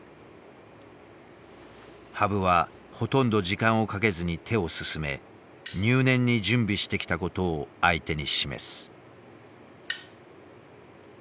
羽生はほとんど時間をかけずに手を進め入念に準備してきたことを相手に示す。